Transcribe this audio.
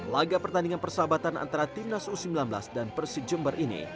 laga pertandingan persahabatan antara tim nasional u sembilan belas dan persit jember ini